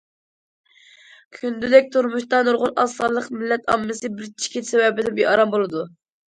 كۈندىلىك تۇرمۇشتا نۇرغۇن ئاز سانلىق مىللەت ئاممىسى بىر چېكىت سەۋەبىدىن بىئارام بولىدۇ.